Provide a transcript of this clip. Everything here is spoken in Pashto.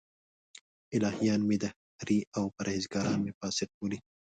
الهیان مې دهري او پرهېزګاران مې فاسق بولي.